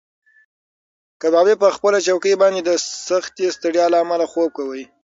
کبابي په خپله چوکۍ باندې د سختې ستړیا له امله خوب کاوه.